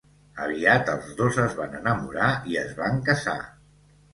Aviat els dos es van enamorar i es van casar.